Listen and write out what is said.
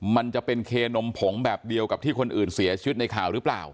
มันจะเป็นเคนมผงแบบเดียวกับที่คนอื่นเสียชีวิตในข่าวหรือเปล่า